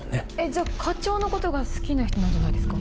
じゃあ課長のことが好きな人なんじゃないですか？